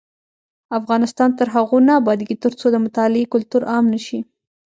افغانستان تر هغو نه ابادیږي، ترڅو د مطالعې کلتور عام نشي.